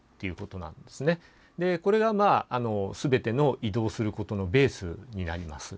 これが全ての移動することのベースになります。